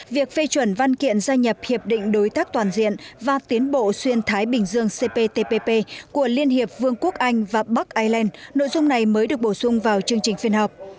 việc phê chuẩn văn kiện gia nhập hiệp định đối tác toàn diện và tiến bộ xuyên thái bình dương cptpp của liên hiệp vương quốc anh và bắc ireland nội dung này mới được bổ sung vào chương trình phiên họp